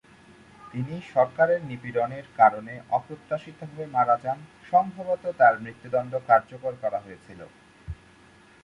তিনি সরকারের নিপীড়নের কারণে অপ্রত্যাশিতভাবে মারা যান, সম্ভবত তার মৃত্যুদন্ড কার্যকর করা হয়েছিল।